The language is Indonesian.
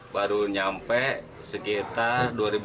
baru nyampe sekitar dua ribu sebelas